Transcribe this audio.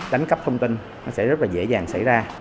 đánh cắp thông tin nó sẽ rất là dễ dàng xảy ra